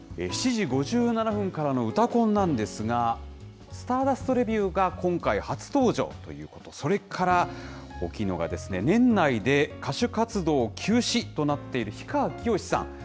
７時５７分からのうたコンなんですが、スターダスト☆レビューが今回初登場ということ、それから大きいのが、年内で歌手活動休止となっている氷川きよしさん。